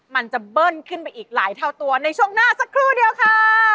มันจะเบิ้ลขึ้นไปอีกหลายเท่าตัวในช่วงหน้าสักครู่เดียวค่ะ